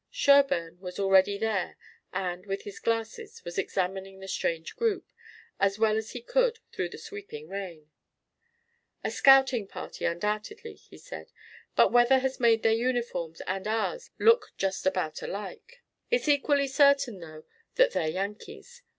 Sherburne was already there and with his glasses was examining the strange group, as well as he could through the sweeping rain. "A scouting party undoubtedly," he said, "but weather has made their uniforms and ours look just about alike. It's equally certain though that they're Yankees.